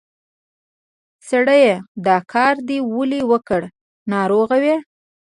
سړیه! دا کار دې ولې وکړ؟ ناروغ وې؟